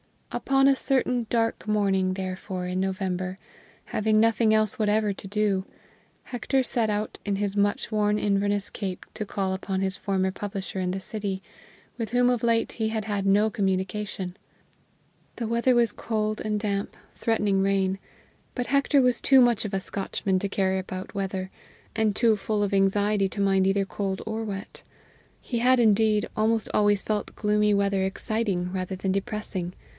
Upon a certain dark morning, therefore, in November, having nothing else whatever to do, Hector set out in his much worn Inverness cape to call upon his former publisher in the City, with whom of late he had had no communication. The weather was cold and damp, threatening rain. But Hector was too much of a Scotchman to care about weather, and too full of anxiety to mind either cold or wet. He had, indeed, almost always felt gloomy weather exciting rather than depressing.